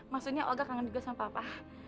maksudnya oga kangen juga sama papa